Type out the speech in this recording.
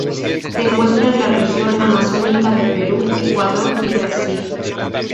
Se encuentra en la región amazónica de Perú, Ecuador y Brasil.